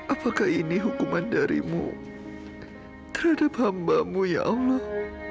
apakah ini hukuman darimu terhadap hambamu ya allah